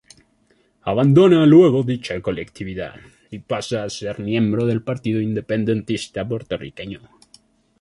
Abandona luego dicha colectividad y pasa a ser miembro del Partido Independentista Puertorriqueño.